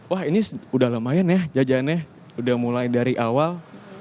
wah ini udah lumayan ya jajannya udah mulai dari awal